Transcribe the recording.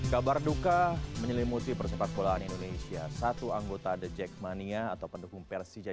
kabar duka menyelimuti persepak bolaan indonesia satu anggota the jackmania atau pendukung persija